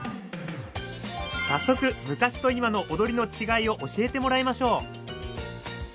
早速昔と今の踊りの違いを教えてもらいましょう。